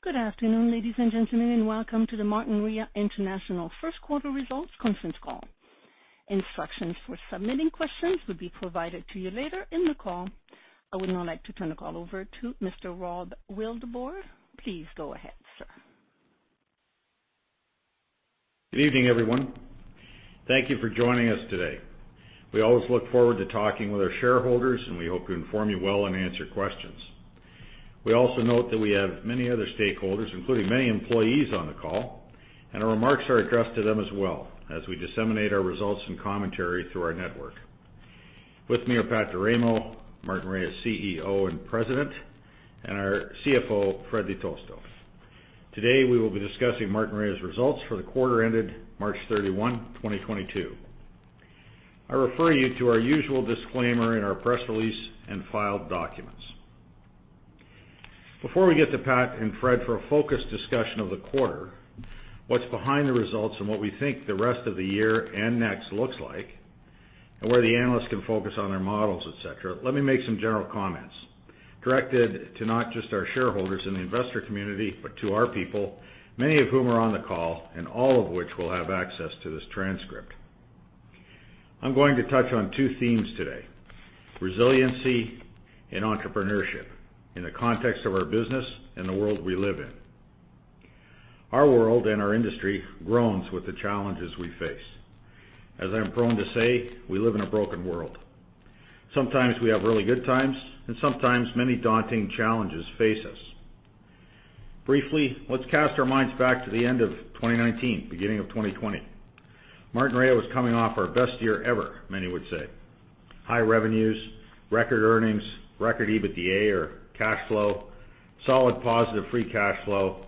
Good afternoon, ladies and gentlemen, and welcome to the Martinrea International First Quarter Results Conference Call. Instructions for submitting questions will be provided to you later in the call. I would now like to turn the call over to Mr. Rob Wildeboer. Please go ahead, sir. Good evening, everyone. Thank you for joining us today. We always look forward to talking with our shareholders, and we hope to inform you well and answer questions. We also note that we have many other stakeholders, including many employees on the call, and our remarks are addressed to them as well as we disseminate our results and commentary through our network. With me are Pat D'Eramo, Martinrea's CEO and President, and our CFO, Fred Di Tosto. Today, we will be discussing Martinrea's results for the quarter ended March 31, 2022. I refer you to our usual disclaimer in our press release and filed documents. Before we get to Pat and Fred for a focused discussion of the quarter, what's behind the results, and what we think the rest of the year and next looks like, and where the analysts can focus on their models, et cetera. Let me make some general comments directed to not just our shareholders in the investor community, but to our people, many of whom are on the call and all of which will have access to this transcript. I'm going to touch on two themes today, resiliency and entrepreneurship, in the context of our business and the world we live in. Our world and our industry groans with the challenges we face. As I'm prone to say, we live in a broken world. Sometimes we have really good times, and sometimes many daunting challenges face us. Briefly, let's cast our minds back to the end of 2019, beginning of 2020. Martinrea was coming off our best year ever, many would say. High revenues, record earnings, record EBITDA or cash flow, solid positive free cash flow,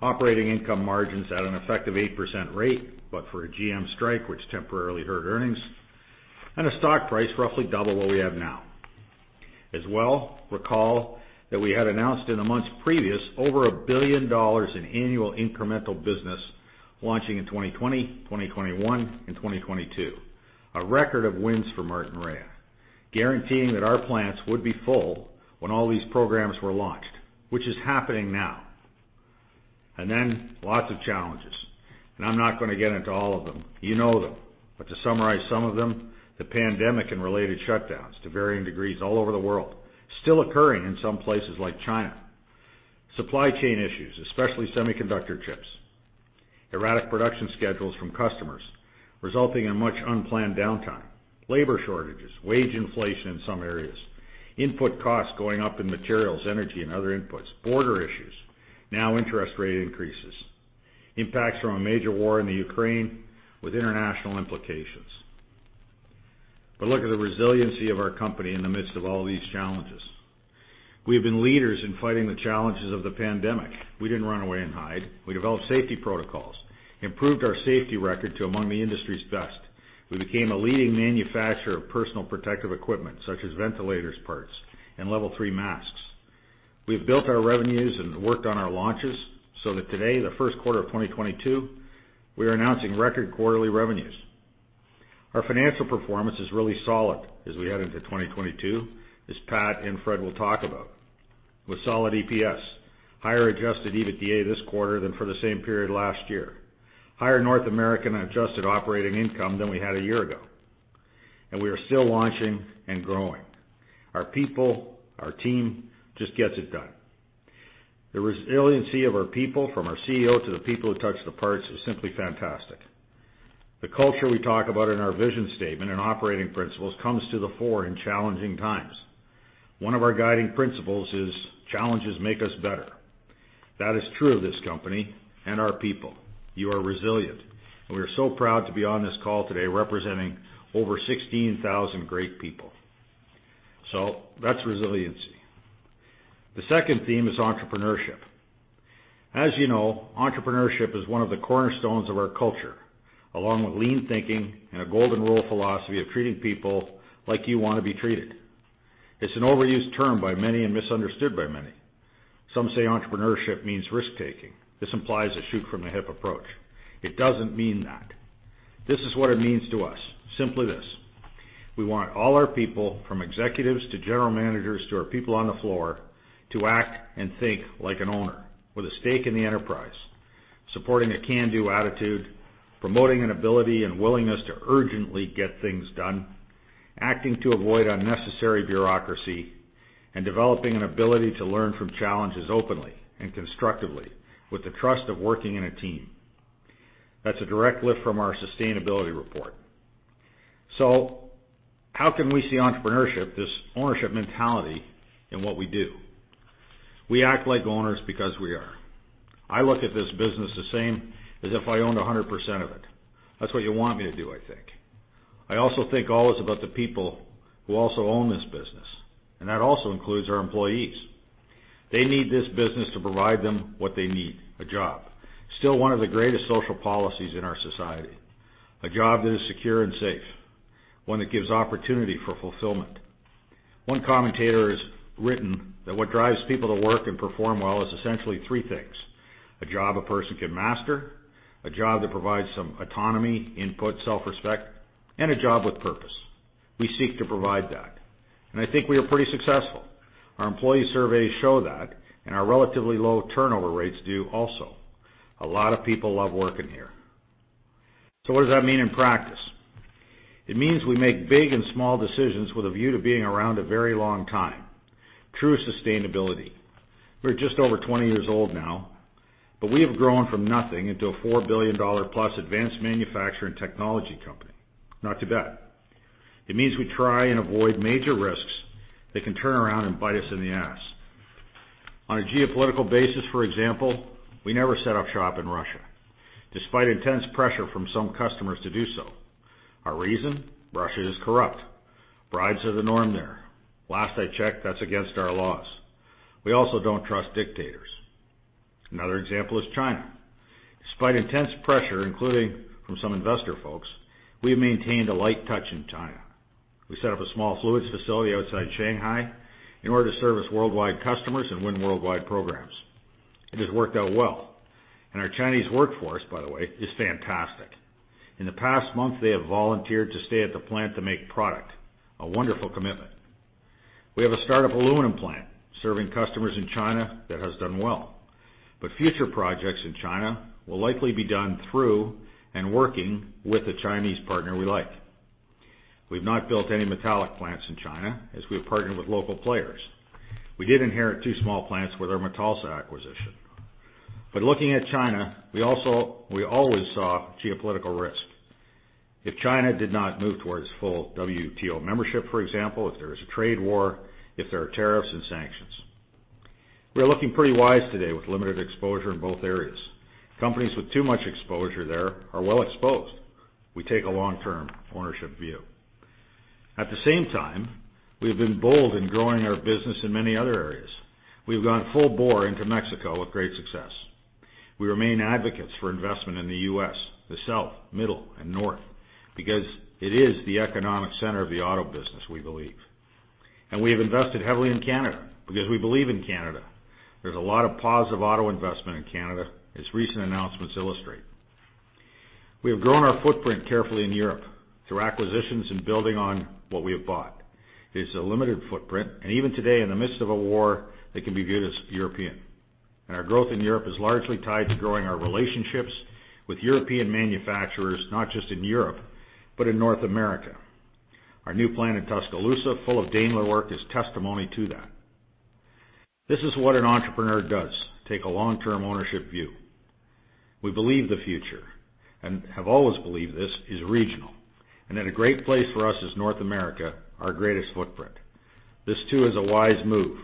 operating income margins at an effective 8% rate, but for a GM strike which temporarily hurt earnings, and a stock price roughly double what we have now. As well, recall that we had announced in the months previous over 1 billion dollars in annual incremental business launching in 2020, 2021, and 2022. A record of wins for Martinrea, guaranteeing that our plants would be full when all these programs were launched, which is happening now. Lots of challenges, and I'm not gonna get into all of them. You know them. To summarize some of them, the pandemic and related shutdowns to varying degrees all over the world still occurring in some places like China. Supply chain issues, especially semiconductor chips. Erratic production schedules from customers resulting in much unplanned downtime. Labor shortages, wage inflation in some areas. Input costs going up in materials, energy and other inputs. Border issues. Now interest rate increases. Impacts from a major war in Ukraine with international implications. Look at the resiliency of our company in the midst of all these challenges. We have been leaders in fighting the challenges of the pandemic. We didn't run away and hide. We developed safety protocols, improved our safety record to among the industry's best. We became a leading manufacturer of personal protective equipment such as ventilator parts and level three masks. We've built our revenues and worked on our launches so that today, the first quarter of 2022, we are announcing record quarterly revenues. Our financial performance is really solid as we head into 2022, as Pat and Fred will talk about, with solid EPS, higher Adjusted EBITDA this quarter than for the same period last year, higher North American adjusted operating income than we had a year ago. We are still launching and growing. Our people, our team, just gets it done. The resiliency of our people, from our CEO to the people who touch the parts, is simply fantastic. The culture we talk about in our vision statement and operating principles comes to the fore in challenging times. One of our guiding principles is, challenges make us better. That is true of this company and our people. You are resilient, and we are so proud to be on this call today representing over 16,000 great people. That's resiliency. The second theme is entrepreneurship. As you know, entrepreneurship is one of the cornerstones of our culture, along with lean thinking and a golden rule philosophy of treating people like you wanna be treated. It's an overused term by many and misunderstood by many. Some say entrepreneurship means risk-taking. This implies a shoot from the hip approach. It doesn't mean that. This is what it means to us. Simply this. We want all our people, from executives to general managers to our people on the floor, to act and think like an owner with a stake in the enterprise, supporting a can-do attitude, promoting an ability and willingness to urgently get things done, acting to avoid unnecessary bureaucracy, and developing an ability to learn from challenges openly and constructively with the trust of working in a team. That's a direct lift from our sustainability report. How can we see entrepreneurship, this ownership mentality, in what we do? We act like owners because we are. I look at this business the same as if I owned 100% of it. That's what you want me to do, I think. I also think always about the people who also own this business, and that also includes our employees. They need this business to provide them what they need, a job. Still one of the greatest social policies in our society, a job that is secure and safe, one that gives opportunity for fulfillment. One commentator has written that what drives people to work and perform well is essentially three things. A job a person can master, a job that provides some autonomy, input, self-respect, and a job with purpose. We seek to provide that, and I think we are pretty successful. Our employee surveys show that, and our relatively low turnover rates do also. A lot of people love working here. What does that mean in practice? It means we make big and small decisions with a view to being around a very long time. True sustainability. We're just over 20 years old now, but we have grown from nothing into a 4 billion dollar+ advanced manufacturer and technology company. Not too bad. It means we try and avoid major risks that can turn around and bite us in the ass. On a geopolitical basis, for example, we never set up shop in Russia, despite intense pressure from some customers to do so. Our reason, Russia is corrupt. Bribes are the norm there. Last I checked, that's against our laws. We also don't trust dictators. Another example is China. Despite intense pressure, including from some investor folks, we have maintained a light touch in China. We set up a small fluids facility outside Shanghai in order to service worldwide customers and win worldwide programs. It has worked out well, and our Chinese workforce, by the way, is fantastic. In the past month, they have volunteered to stay at the plant to make product, a wonderful commitment. We have a startup aluminum plant serving customers in China that has done well, but future projects in China will likely be done through and working with the Chinese partner we like. We've not built any metallic plants in China as we have partnered with local players. We did inherit two small plants with our Metalsa acquisition. Looking at China, we always saw geopolitical risk. If China did not move towards full WTO membership, for example, if there is a trade war, if there are tariffs and sanctions. We're looking pretty wise today with limited exposure in both areas. Companies with too much exposure there are well exposed. We take a long-term ownership view. At the same time, we have been bold in growing our business in many other areas. We've gone full bore into Mexico with great success. We remain advocates for investment in the U.S., the South, Middle, and North, because it is the economic center of the auto business, we believe. We have invested heavily in Canada because we believe in Canada. There's a lot of positive auto investment in Canada, as recent announcements illustrate. We have grown our footprint carefully in Europe through acquisitions and building on what we have bought. It's a limited footprint, and even today, in the midst of a war, they can be viewed as European. Our growth in Europe is largely tied to growing our relationships with European manufacturers, not just in Europe, but in North America. Our new plant in Tuscaloosa, full of Daimler work, is testimony to that. This is what an entrepreneur does, take a long-term ownership view. We believe the future, and have always believed this, is regional, and that a great place for us is North America, our greatest footprint. This, too, is a wise move.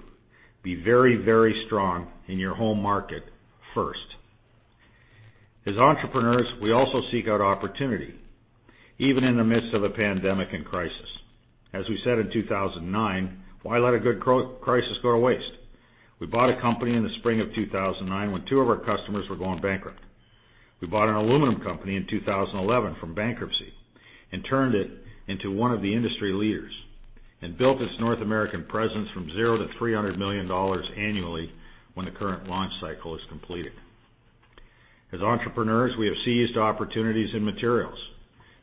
Be very, very strong in your home market first. As entrepreneurs, we also seek out opportunity, even in the midst of a pandemic and crisis. As we said in 2009, "Why let a good crisis go to waste?" We bought a company in the spring of 2009 when two of our customers were going bankrupt. We bought an aluminum company in 2011 from bankruptcy and turned it into one of the industry leaders and built its North American presence from zero to $300 million annually when the current launch cycle is completed. As entrepreneurs, we have seized opportunities in materials,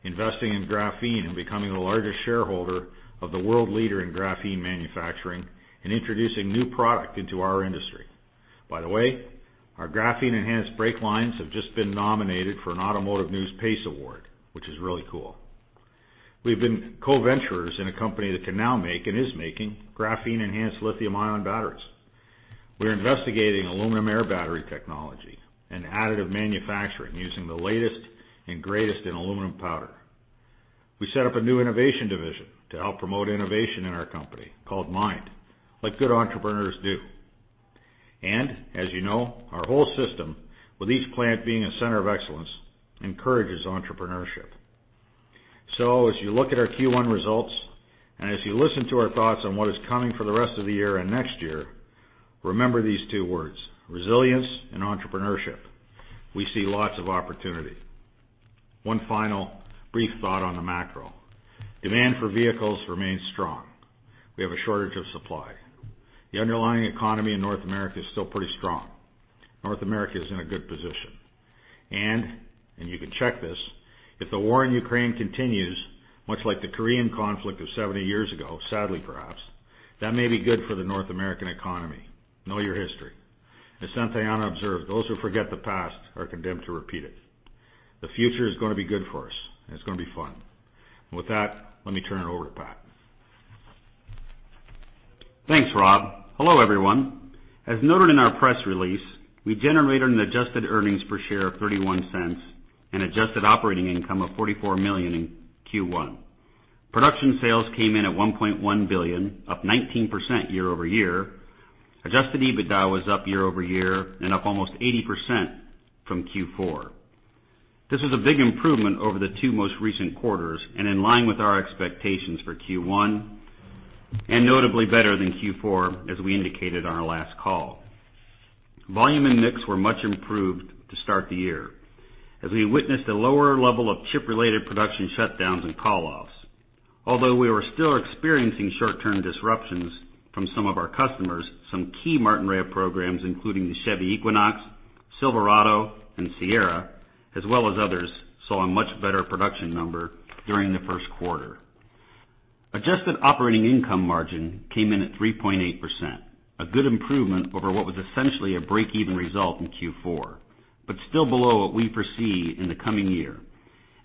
investing in graphene and becoming the largest shareholder of the world leader in graphene manufacturing and introducing new product into our industry. By the way, our graphene-enhanced brake lines have just been nominated for an Automotive News PACE Award, which is really cool. We've been co-venturers in a company that can now make, and is making, graphene-enhanced lithium-ion batteries. We're investigating aluminum-air battery technology and additive manufacturing using the latest and greatest in aluminum powder. We set up a new innovation division to help promote innovation in our company called MiND, like good entrepreneurs do. As you know, our whole system, with each plant being a center of excellence, encourages entrepreneurship. As you look at our Q1 results, and as you listen to our thoughts on what is coming for the rest of the year and next year, remember these two words, resilience and entrepreneurship. We see lots of opportunity. One final brief thought on the macro. Demand for vehicles remains strong. We have a shortage of supply. The underlying economy in North America is still pretty strong. North America is in a good position. You can check this, if the war in Ukraine continues, much like the Korean conflict of 70 years ago, sadly perhaps, that may be good for the North American economy. Know your history. As Santayana observed, "Those who forget the past are condemned to repeat it." The future is gonna be good for us, and it's gonna be fun. With that, let me turn it over to Pat. Thanks, Rob. Hello, everyone. As noted in our press release, we generated an adjusted earnings per share of 0.31 and adjusted operating income of 44 million in Q1. Production sales came in at 1.1 billion, up 19% year-over-year. Adjusted EBITDA was up year-over-year and up almost 80% from Q4. This is a big improvement over the two most recent quarters and in line with our expectations for Q1, and notably better than Q4, as we indicated on our last call. Volume and mix were much improved to start the year. As we witnessed a lower level of chip-related production shutdowns and call-offs. Although we were still experiencing short-term disruptions from some of our customers, some key Martinrea programs, including the Chevy Equinox, Silverado, and Sierra, as well as others, saw a much better production number during the first quarter. Adjusted operating income margin came in at 3.8%, a good improvement over what was essentially a break-even result in Q4, but still below what we foresee in the coming year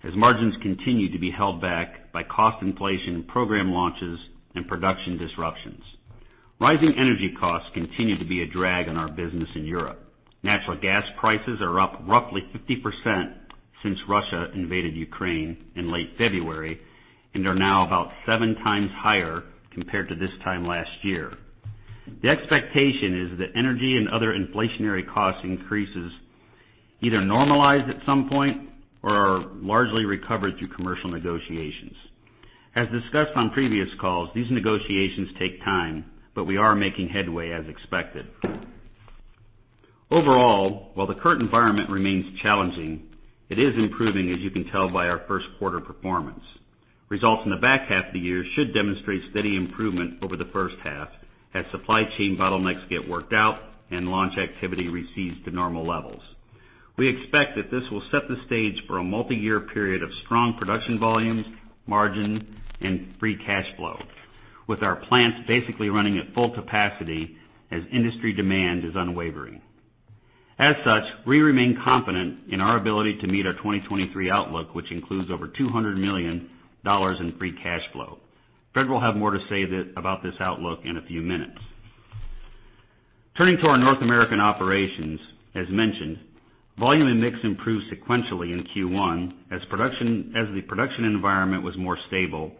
as margins continue to be held back by cost inflation, program launches, and production disruptions. Rising energy costs continue to be a drag on our business in Europe. Natural gas prices are up roughly 50% since Russia invaded Ukraine in late February and are now about 7x higher compared to this time last year. The expectation is that energy and other inflationary cost increases either normalize at some point or are largely recovered through commercial negotiations. As discussed on previous calls, these negotiations take time, but we are making headway as expected. Overall, while the current environment remains challenging, it is improving, as you can tell by our first quarter performance. Results in the back half of the year should demonstrate steady improvement over the first half as supply chain bottlenecks get worked out and launch activity recedes to normal levels. We expect that this will set the stage for a multiyear period of strong production volumes, margin, and free cash flow, with our plants basically running at full capacity as industry demand is unwavering. As such, we remain confident in our ability to meet our 2023 outlook, which includes over 200 million dollars in free cash flow. Fred will have more to say about this outlook in a few minutes. Turning to our North American operations. As mentioned, volume and mix improved sequentially in Q1 as the production environment was more stable,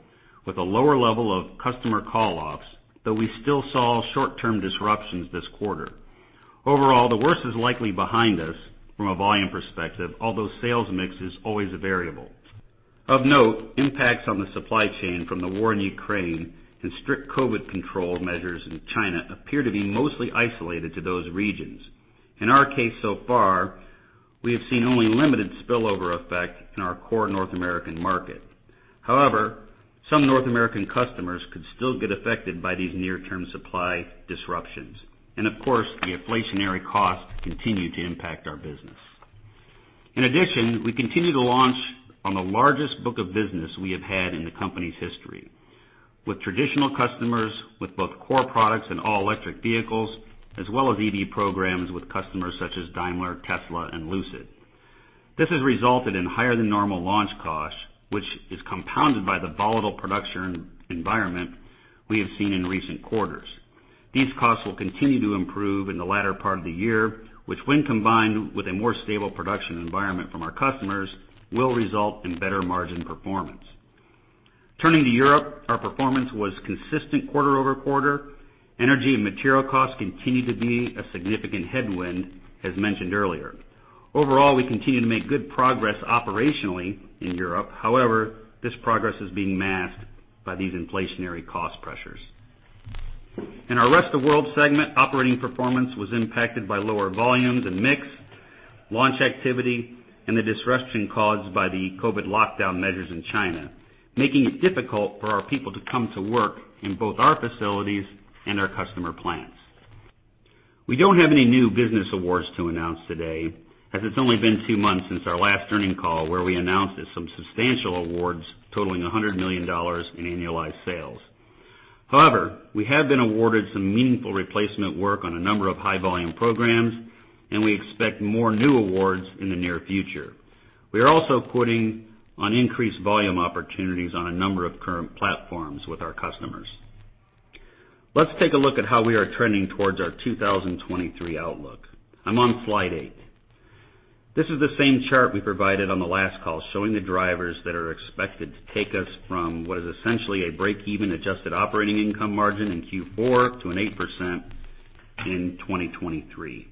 with a lower level of customer call loss, though we still saw short-term disruptions this quarter. Overall, the worst is likely behind us from a volume perspective, although sales mix is always a variable. Of note, impacts on the supply chain from the war in Ukraine and strict COVID control measures in China appear to be mostly isolated to those regions. In our case so far, we have seen only limited spillover effect in our core North American market. However, some North American customers could still get affected by these near-term supply disruptions. Of course, the inflationary costs continue to impact our business. In addition, we continue to launch on the largest book of business we have had in the company's history with traditional customers, with both core products and all-electric vehicles, as well as EV programs with customers such as Daimler, Tesla, and Lucid. This has resulted in higher than normal launch costs, which is compounded by the volatile production environment we have seen in recent quarters. These costs will continue to improve in the latter part of the year, which, when combined with a more stable production environment from our customers, will result in better margin performance. Turning to Europe, our performance was consistent quarter-over-quarter. Energy and material costs continued to be a significant headwind, as mentioned earlier. Overall, we continue to make good progress operationally in Europe. However, this progress is being masked by these inflationary cost pressures. In our rest of world segment, operating performance was impacted by lower volumes and mix, launch activity, and the disruption caused by the COVID lockdown measures in China, making it difficult for our people to come to work in both our facilities and our customer plants. We don't have any new business awards to announce today, as it's only been two months since our last earning call, where we announced some substantial awards totaling 100 million dollars in annualized sales. However, we have been awarded some meaningful replacement work on a number of high-volume programs, and we expect more new awards in the near future. We are also quoting on increased volume opportunities on a number of current platforms with our customers. Let's take a look at how we are trending towards our 2023 outlook. I'm on slide 8. This is the same chart we provided on the last call, showing the drivers that are expected to take us from what is essentially a break-even adjusted operating income margin in Q4 to an 8% in 2023.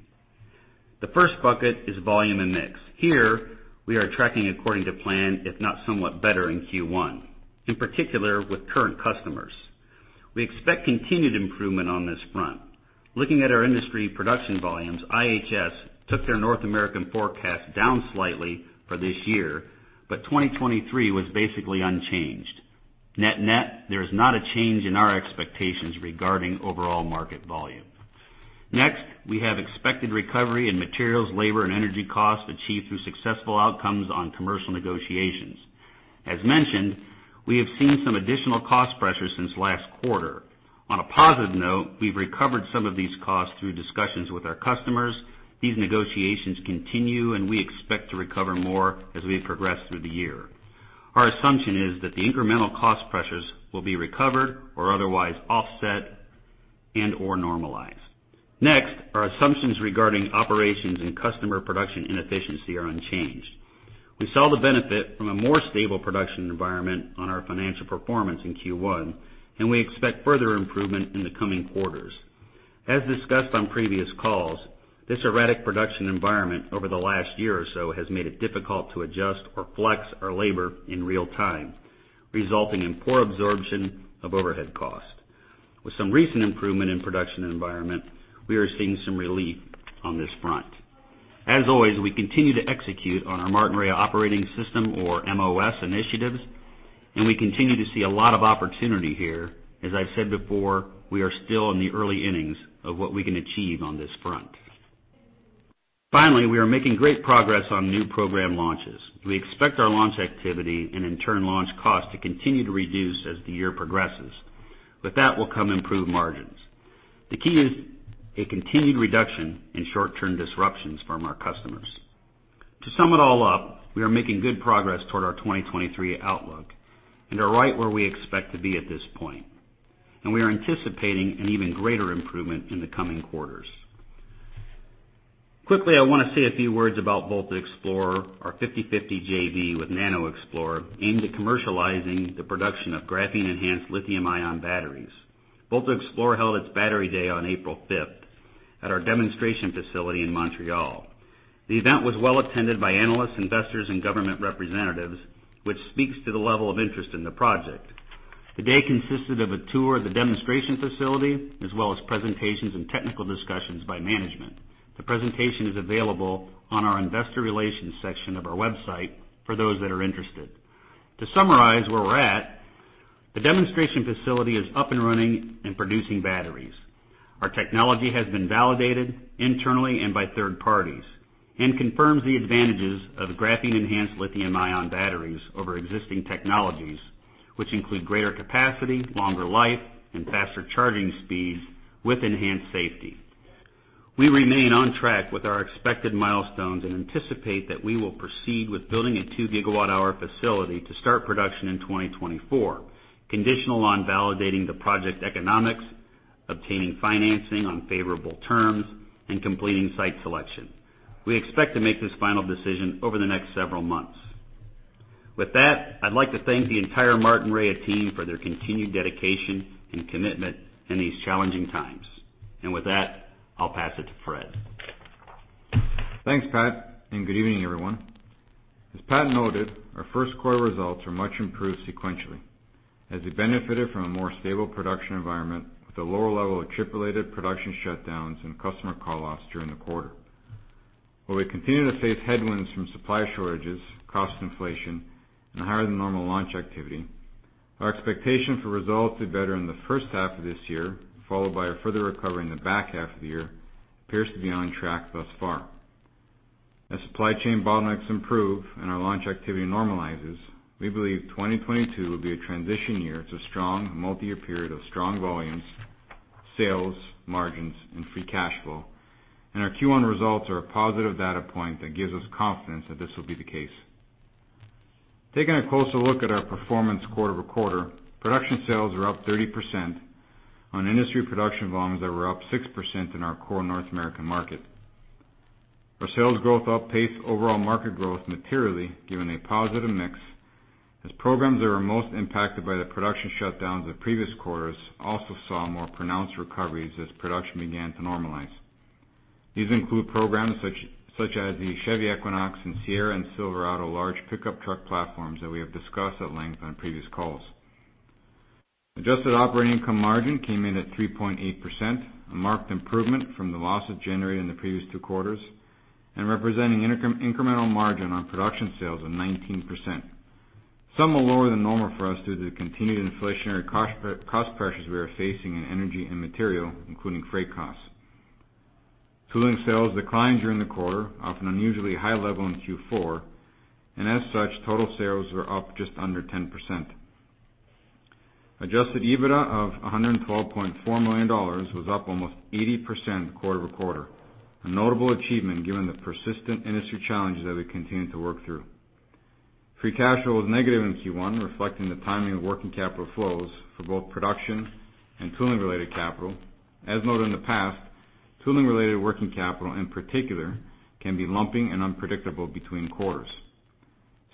The first bucket is volume and mix. Here we are tracking according to plan, if not somewhat better in Q1, in particular with current customers. We expect continued improvement on this front. Looking at our industry production volumes, IHS took their North American forecast down slightly for this year, but 2023 was basically unchanged. Net net, there is not a change in our expectations regarding overall market volume. Next, we have expected recovery in materials, labor, and energy costs achieved through successful outcomes on commercial negotiations. As mentioned, we have seen some additional cost pressures since last quarter. On a positive note, we've recovered some of these costs through discussions with our customers. These negotiations continue, and we expect to recover more as we progress through the year. Our assumption is that the incremental cost pressures will be recovered or otherwise offset and/or normalized. Next, our assumptions regarding operations and customer production inefficiency are unchanged. We saw the benefit from a more stable production environment on our financial performance in Q1, and we expect further improvement in the coming quarters. As discussed on previous calls, this erratic production environment over the last year or so has made it difficult to adjust or flex our labor in real time, resulting in poor absorption of overhead cost. With some recent improvement in production environment, we are seeing some relief on this front. As always, we continue to execute on our Martinrea Operating System or MOS initiatives, and we continue to see a lot of opportunity here. As I've said before, we are still in the early innings of what we can achieve on this front. Finally, we are making great progress on new program launches. We expect our launch activity and in turn, launch cost to continue to reduce as the year progresses. With that will come improved margins. The key is a continued reduction in short-term disruptions from our customers. To sum it all up, we are making good progress toward our 2023 outlook and are right where we expect to be at this point, and we are anticipating an even greater improvement in the coming quarters. Quickly, I wanna say a few words about VoltaXplore, our 50/50 JV with NanoXplore, aimed at commercializing the production of graphene-enhanced lithium-ion batteries. VoltaXplore held its Battery Day on April 5th at our demonstration facility in Montreal. The event was well attended by analysts, investors, and government representatives, which speaks to the level of interest in the project. The day consisted of a tour of the demonstration facility, as well as presentations and technical discussions by management. The presentation is available on our investor relations section of our website for those that are interested. To summarize where we're at, the demonstration facility is up and running and producing batteries. Our technology has been validated internally and by third parties, and confirms the advantages of graphene-enhanced lithium-ion batteries over existing technologies, which include greater capacity, longer life, and faster charging speeds with enhanced safety. We remain on track with our expected milestones and anticipate that we will proceed with building a 2 GWh facility to start production in 2024, conditional on validating the project economics, obtaining financing on favorable terms, and completing site selection. We expect to make this final decision over the next several months. With that, I'd like to thank the entire Martinrea team for their continued dedication and commitment in these challenging times. With that, I'll pass it to Fred. Thanks, Pat, and good evening everyone. As Pat noted, our first quarter results are much improved sequentially as we benefited from a more stable production environment with a lower level of chip-related production shutdowns and customer call-offs during the quarter. While we continue to face headwinds from supply shortages, cost inflation, and higher than normal launch activity, our expectation for results to be better in the first half of this year, followed by a further recovery in the back half of the year appears to be on track thus far. As supply chain bottlenecks improve and our launch activity normalizes, we believe 2022 will be a transition year to strong multi-year period of strong volumes, sales, margins and free cash flow, and our Q1 results are a positive data point that gives us confidence that this will be the case. Taking a closer look at our performance quarter-over-quarter, production sales were up 30% on industry production volumes that were up 6% in our core North American market. Our sales growth outpaced overall market growth materially given a positive mix as programs that were most impacted by the production shutdowns of previous quarters also saw more pronounced recoveries as production began to normalize. These include programs such as the Chevy Equinox, Sierra, and Silverado large pickup truck platforms that we have discussed at length on previous calls. Adjusted operating income margin came in at 3.8%, a marked improvement from the losses generated in the previous two quarters, and representing incremental margin on production sales of 19%. Some were lower than normal for us due to the continued inflationary cost pressures we are facing in energy and material, including freight costs. Tooling sales declined during the quarter off an unusually high level in Q4, and as such, total sales were up just under 10%. Adjusted EBITDA of 112.4 million dollars was up almost 80% quarter-over-quarter, a notable achievement given the persistent industry challenges that we continue to work through. Free cash flow was negative in Q1, reflecting the timing of working capital flows for both production and tooling-related capital. As noted in the past, tooling-related working capital in particular, can be lumpy and unpredictable between quarters.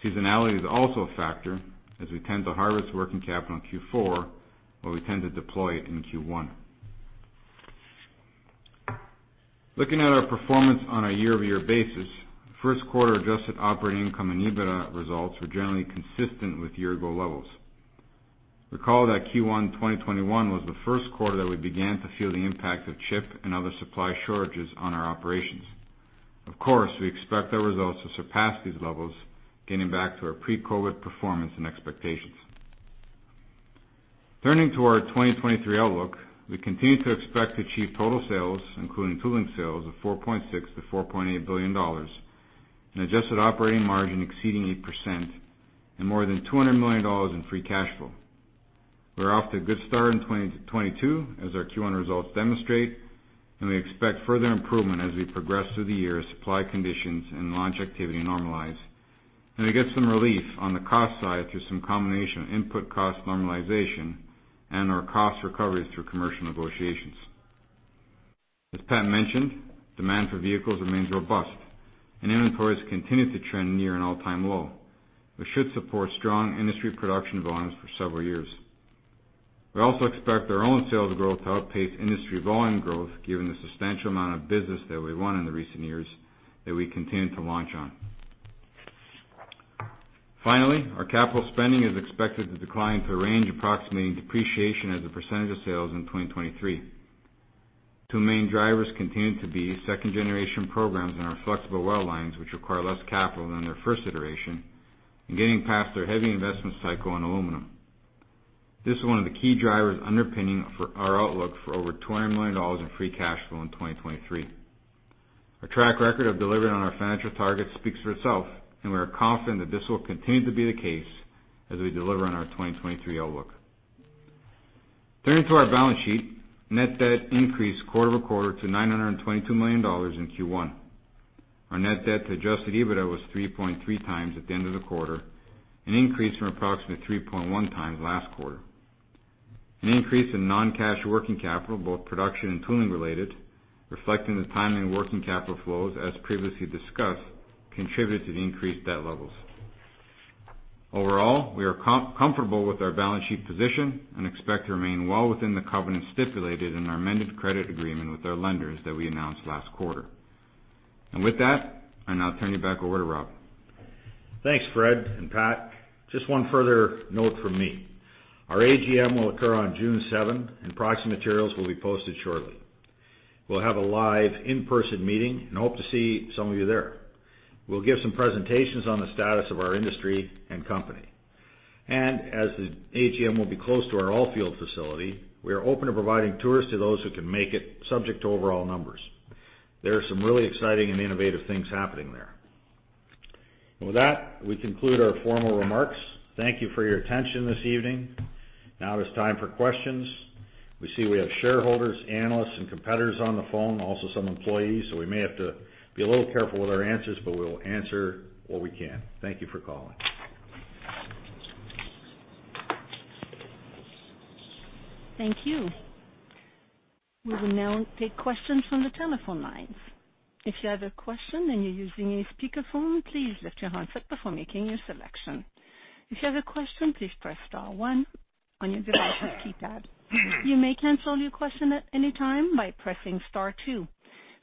Seasonality is also a factor as we tend to harvest working capital in Q4, while we tend to deploy it in Q1. Looking at our performance on a year-over-year basis, first quarter adjusted operating income and EBITDA results were generally consistent with year-ago levels. Recall that Q1 2021 was the first quarter that we began to feel the impact of chip and other supply shortages on our operations. Of course, we expect our results to surpass these levels, getting back to our pre-COVID performance and expectations. Turning to our 2023 outlook, we continue to expect to achieve total sales, including tooling sales, of 4.6 billion-4.8 billion dollars, an adjusted operating margin exceeding 8% and more than 200 million dollars in free cash flow. We're off to a good start in 2022 as our Q1 results demonstrate, and we expect further improvement as we progress through the year as supply conditions and launch activity normalize, and we get some relief on the cost side through some combination of input cost normalization and/or cost recoveries through commercial negotiations. As Pat mentioned, demand for vehicles remains robust and inventories continue to trend near an all-time low, which should support strong industry production volumes for several years. We also expect our own sales growth to outpace industry volume growth given the substantial amount of business that we won in the recent years that we continue to launch on. Finally, our capital spending is expected to decline to a range approximating depreciation as a percentage of sales in 2023. Two main drivers continue to be second generation programs in our flexible weld lines, which require less capital than their first iteration and getting past their heavy investment cycle in aluminum. This is one of the key drivers underpinning our outlook for over 200 million dollars in free cash flow in 2023. Our track record of delivering on our financial targets speaks for itself, and we are confident that this will continue to be the case as we deliver on our 2023 outlook. Turning to our balance sheet, net debt increased quarter-over-quarter to 922 million dollars in Q1. Our net debt to Adjusted EBITDA was 3.3x at the end of the quarter, an increase from approximately 3.1x last quarter. An increase in non-cash working capital, both production and tooling related, reflecting the timing of working capital flows, as previously discussed, contributed to the increased debt levels. Overall, we are comfortable with our balance sheet position and expect to remain well within the covenants stipulated in our amended credit agreement with our lenders that we announced last quarter. With that, I'll now turn it back over to Rob. Thanks, Fred and Pat. Just one further note from me. Our AGM will occur on June seventh, and proxy materials will be posted shortly. We'll have a live in-person meeting and hope to see some of you there. We'll give some presentations on the status of our industry and company. As the AGM will be close to our Oakville facility, we are open to providing tours to those who can make it subject to overall numbers. There are some really exciting and innovative things happening there. With that, we conclude our formal remarks. Thank you for your attention this evening. Now it is time for questions. We see we have shareholders, analysts, and competitors on the phone, also some employees. So we may have to be a little careful with our answers, but we'll answer what we can. Thank you for calling. Thank you. We will now take questions from the telephone lines. If you have a question and you're using a speakerphone, please lift your handset before making your selection. If you have a question, please press star one on your device's keypad. You may cancel your question at any time by pressing star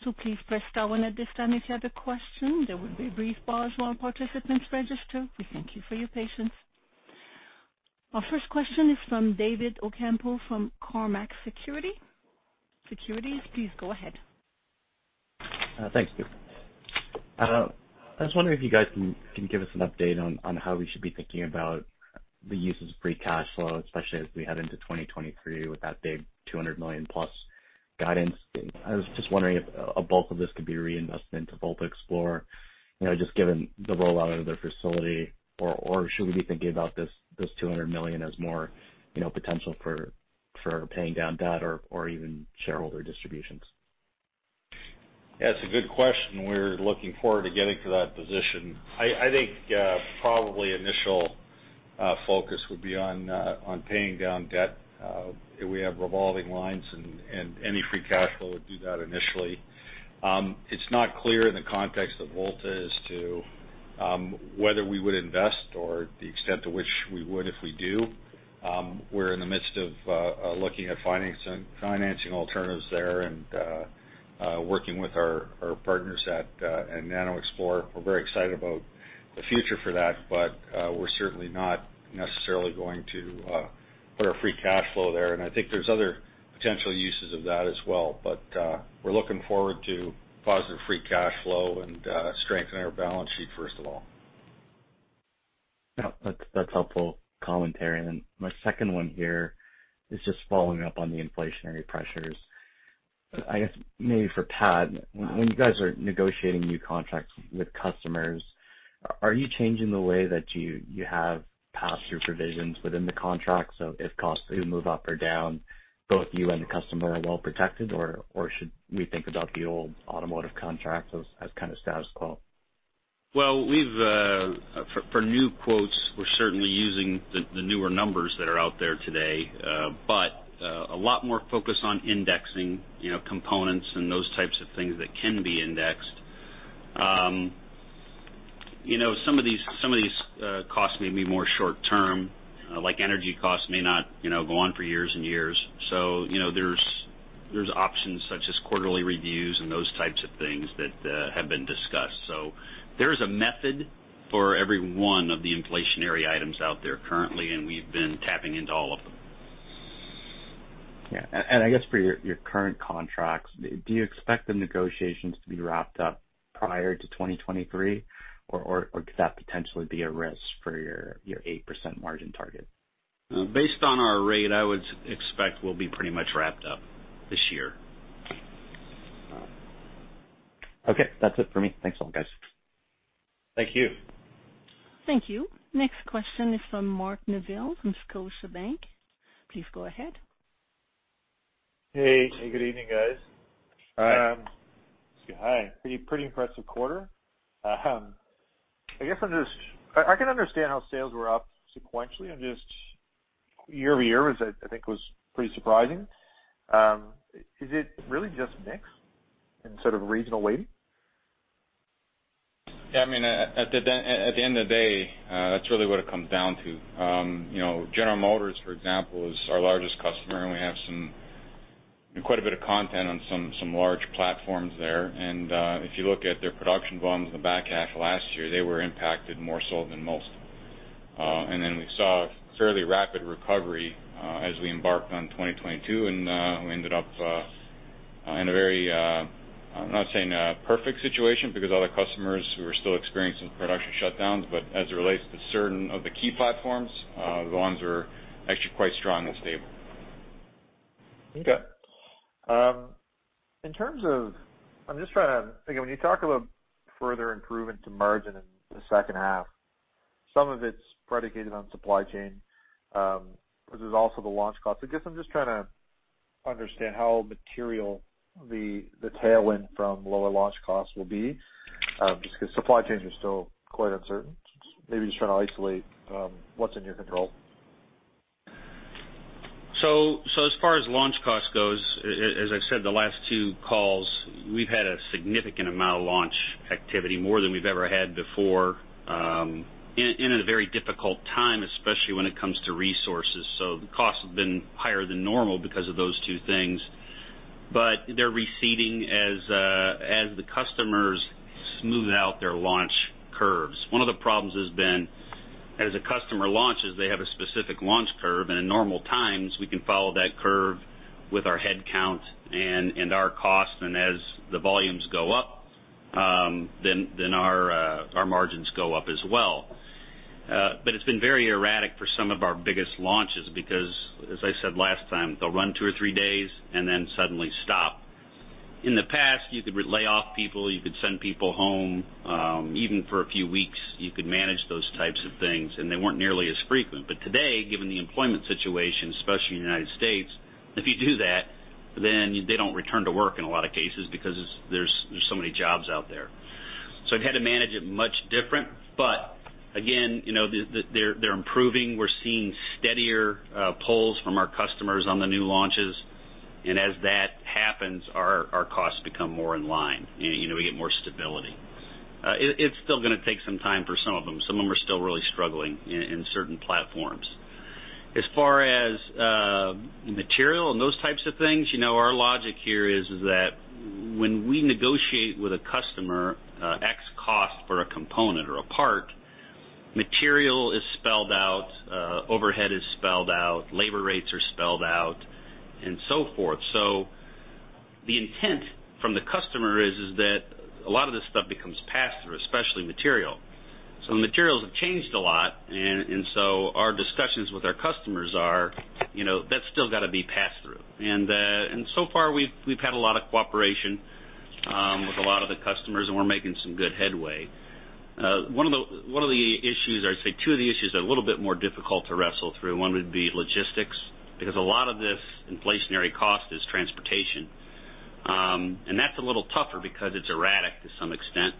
two. Please press star one at this time if you have a question. There will be a brief pause while participants register. We thank you for your patience. Our first question is from David Ocampo from Cormark Securities. Please go ahead. Thanks. I was wondering if you guys can give us an update on how we should be thinking about the use of free cash flow, especially as we head into 2023 with that big 200 million+ guidance. I was just wondering if a bulk of this could be reinvestment to VoltaXplore, you know, just given the rollout of their facility, or should we be thinking about this 200 million as more, you know, potential for paying down debt or even shareholder distributions? That's a good question. We're looking forward to getting to that position. I think probably initial focus would be on paying down debt. We have revolving lines and any free cash flow would do that initially. It's not clear in the context of VoltaXplore as to whether we would invest or the extent to which we would if we do. We're in the midst of looking at financing alternatives there and working with our partners at NanoXplore. We're very excited about the future for that, but we're certainly not necessarily going to put our free cash flow there. I think there's other potential uses of that as well. We're looking forward to positive free cash flow and strengthening our balance sheet first of all. No, that's helpful commentary. My second one here is just following up on the inflationary pressures. I guess maybe for Pat, when you guys are negotiating new contracts with customers, are you changing the way that you have passed through provisions within the contract? If costs do move up or down, both you and the customer are well protected, or should we think about the old automotive contracts as kind of status quo? Well, we've for new quotes, we're certainly using the newer numbers that are out there today, but a lot more focus on indexing, you know, components and those types of things that can be indexed. You know, some of these costs may be more short term, like energy costs may not, you know, go on for years and years. You know, there's options such as quarterly reviews and those types of things that have been discussed. There's a method for every one of the inflationary items out there currently, and we've been tapping into all of them. I guess for your current contracts, do you expect the negotiations to be wrapped up prior to 2023, or could that potentially be a risk for your 8% margin target? Based on our rate, I would expect we'll be pretty much wrapped up this year. Okay. That's it for me. Thanks a lot, guys. Thank you. Thank you. Next question is from Mark Neville from Scotiabank. Please go ahead. Hey. Good evening, guys. Hi. Hi. Pretty impressive quarter. I guess I can understand how sales were up sequentially and just year over year was, I think was pretty surprising. Is it really just mix and sort of regional weighting? Yeah. I mean, at the end of the day, that's really what it comes down to. You know, General Motors, for example, is our largest customer, and we have some Quite a bit of content on some large platforms there. If you look at their production volumes in the back half of last year, they were impacted more so than most. We saw a fairly rapid recovery as we embarked on 2022, and we ended up. I'm not saying a perfect situation because other customers who are still experiencing production shutdowns, but as it relates to certain of the key platforms, the volumes are actually quite strong and stable. Okay. In terms of, I'm just trying to think of when you talk about further improvement to margin in the second half, some of it's predicated on supply chain, but there's also the launch costs. I guess I'm just trying to understand how material the tailwind from lower launch costs will be, just 'cause supply chains are still quite uncertain. Maybe just trying to isolate what's in your control. As far as launch cost goes, as I said the last two calls, we've had a significant amount of launch activity, more than we've ever had before, in a very difficult time, especially when it comes to resources. The cost has been higher than normal because of those two things. They're receding as the customers smooth out their launch curves. One of the problems has been, as a customer launches, they have a specific launch curve, and in normal times, we can follow that curve with our head count and our costs. As the volumes go up, then our margins go up as well. It's been very erratic for some of our biggest launches because, as I said last time, they'll run two or three days and then suddenly stop. In the past, you could lay off people, you could send people home, even for a few weeks. You could manage those types of things, and they weren't nearly as frequent. Today, given the employment situation, especially in the United States, if you do that, then they don't return to work in a lot of cases because there's so many jobs out there. We've had to manage it much different. Again, you know, they're improving. We're seeing steadier pulls from our customers on the new launches. As that happens, our costs become more in line. You know, we get more stability. It's still gonna take some time for some of them. Some of them are still really struggling in certain platforms. As far as material and those types of things, you know, our logic here is that when we negotiate with a customer, fixed cost for a component or a part, material is spelled out, overhead is spelled out, labor rates are spelled out, and so forth. The intent from the customer is that a lot of this stuff becomes passed through, especially material. Materials have changed a lot and so our discussions with our customers are, you know, that's still gotta be passed through. So far, we've had a lot of cooperation with a lot of the customers, and we're making some good headway. One of the issues, I'd say two of the issues are a little bit more difficult to wrestle through. One would be logistics, because a lot of this inflationary cost is transportation. That's a little tougher because it's erratic to some extent.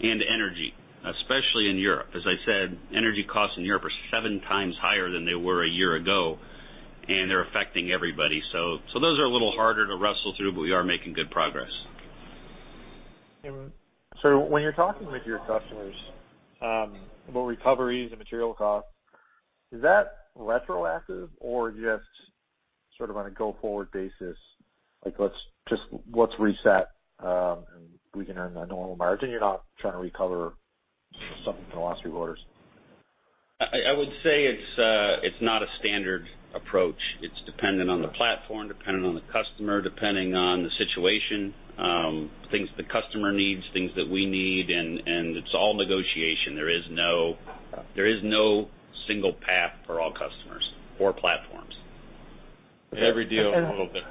Energy, especially in Europe. As I said, energy costs in Europe are 7x higher than they were a year ago, and they're affecting everybody. Those are a little harder to wrestle through, but we are making good progress. When you're talking with your customers about recoveries and material costs, is that retroactive or just sort of on a go-forward basis? Like, let's reset and we can earn a normal margin. You're not trying to recover something from the last three quarters. I would say it's not a standard approach. It's dependent on the platform, dependent on the customer, depending on the situation, things the customer needs, things that we need, and it's all negotiation. There is no single path for all customers or platforms. Every deal is a little bit.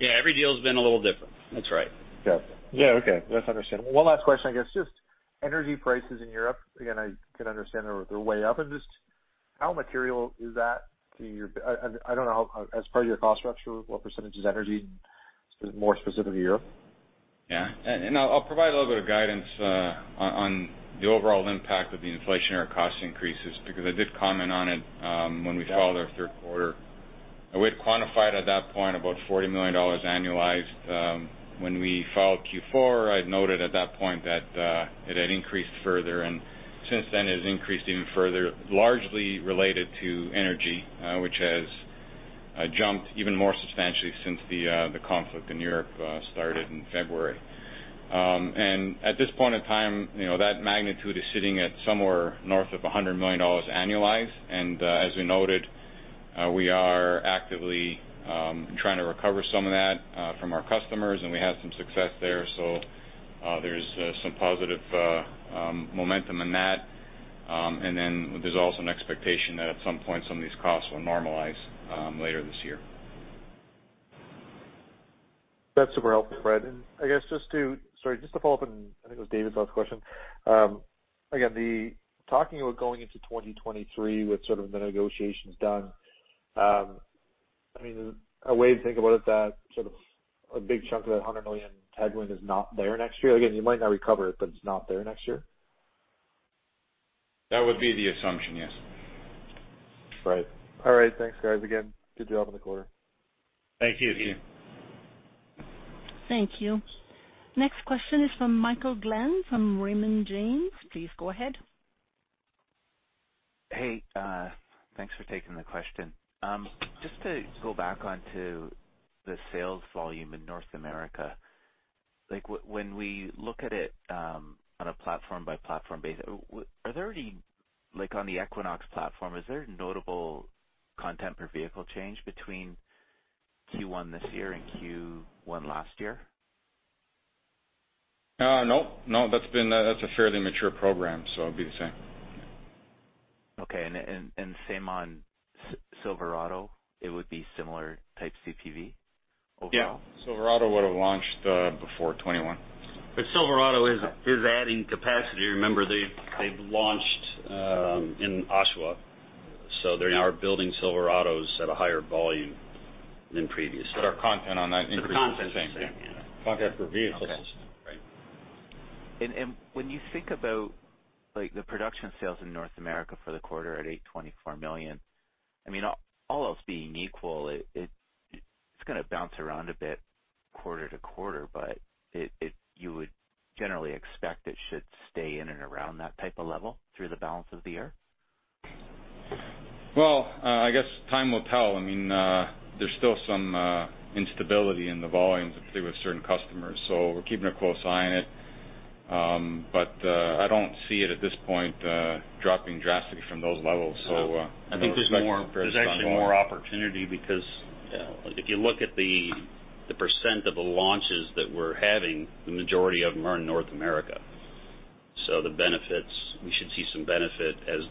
Yeah, every deal's been a little different. That's right. Yeah. Yeah, okay. That's understandable. One last question, I guess, just energy prices in Europe, again, I can understand they're way up. Just how material is that to your, I don't know, as part of your cost structure, what percentage is energy, more specific to Europe? Yeah. I'll provide a little bit of guidance on the overall impact of the inflationary cost increases because I did comment on it when we filed our third quarter. We'd quantified at that point about 40 million dollars annualized. When we filed Q4, I'd noted at that point that it had increased further, and since then, it has increased even further, largely related to energy, which has jumped even more substantially since the conflict in Europe started in February. At this point in time, you know, that magnitude is sitting at somewhere north of 100 million dollars annualized. As we noted, we are actively trying to recover some of that from our customers, and we had some success there. There's some positive momentum in that. There's also an expectation that at some point, some of these costs will normalize later this year. That's super helpful, Fred. I guess just to follow up on, I think it was David's last question. Again, talking about going into 2023 with sort of the negotiations done, I mean, a way to think about it that sort of a big chunk of that 100 million headwind is not there next year. Again, you might not recover it, but it's not there next year? That would be the assumption, yes. Right. All right. Thanks, guys. Again, good job on the quarter. Thank you, again. Thank you. Next question is from Michael Glen from Raymond James. Please go ahead. Hey, thanks for taking the question. Just to go back onto the sales volume in North America, like, when we look at it, on a platform by platform basis, are there any, like on the Equinox platform, is there notable content per vehicle change between Q1 this year and Q1 last year? No. That's a fairly mature program, so it'd be the same. Okay. Same on Silverado, it would be similar type CPV overall? Yeah. Silverado would have launched before 2021. Silverado is adding capacity. Remember, they've launched in Oshawa, so they now are building Silverados at a higher volume than previously. Our content on that increase is the same. The content is the same, yeah. Content per vehicle is the same. Okay. Great. When you think about, like, the production sales in North America for the quarter at 824 million, I mean, all else being equal, it's gonna bounce around a bit quarter to quarter, but you would generally expect it should stay in and around that type of level through the balance of the year? Well, I guess time will tell. I mean, there's still some instability in the volumes, particularly with certain customers, so we're keeping a close eye on it. I don't see it at this point, dropping drastically from those levels. I would expect it to progress on the line. I think there's more, there's actually more opportunity because if you look at the percent of the launches that we're having, the majority of them are in North America. The benefits, we should see some benefit as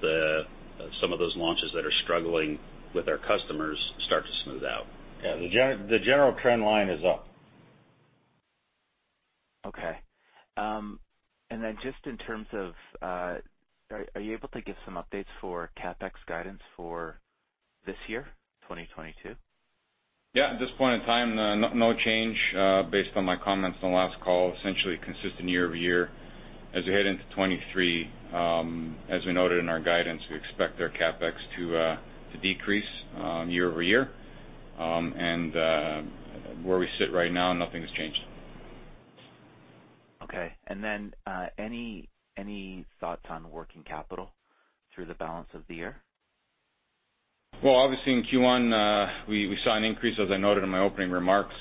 some of those launches that are struggling with our customers start to smooth out. Yeah. The general trend line is up. Okay. Just in terms of, are you able to give some updates for CapEx guidance for this year, 2022? Yeah. At this point in time, no change based on my comments on the last call. Essentially consistent year-over-year. As we head into 2023, as we noted in our guidance, we expect our CapEx to decrease year-over-year. Where we sit right now, nothing's changed. Okay. Any thoughts on working capital through the balance of the year? Well, obviously in Q1, we saw an increase, as I noted in my opening remarks.